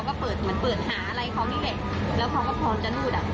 แล้วเขาก็เปิดเหมือนเปิดหาอะไรเขาไม่เป็นแล้วเขาก็พร้อมจะนูดอ่ะ